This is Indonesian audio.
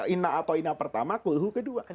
inna atau inna pertama kulhu kedua